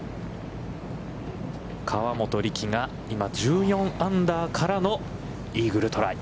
河本力が今１４アンダーからのイーグルトライ。